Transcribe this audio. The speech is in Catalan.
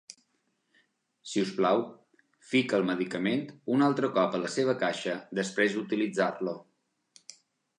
Si us plau, fica el medicament un altre cop a la seva caixa després d"utilitzar-lo.